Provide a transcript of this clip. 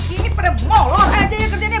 ini pada molor aja ya kerjanya